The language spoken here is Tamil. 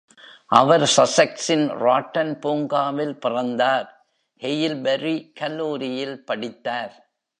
அவர் சசெக்ஸின் ராட்டன் பூங்காவில் பிறந்தார், ஹெயில்பரி கல்லூரியில் படித்தார்.